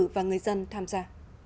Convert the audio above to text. và người dân tham gia